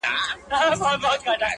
• را معلوم به شیخه ستا هلته ایمان سي..